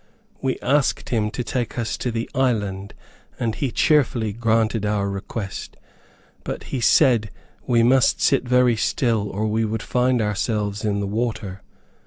We asked him to take us to the island, and he cheerfully granted our request, but said we must sit very still, or we would find ourselves in the water.